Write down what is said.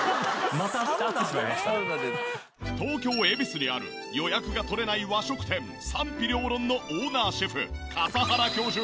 東京恵比寿にある予約が取れない和食店賛否両論のオーナーシェフ笠原教授。